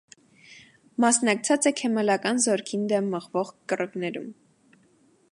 Մասնակցած է քեմալական զօրքին դէմ մղուող կռիւներուն։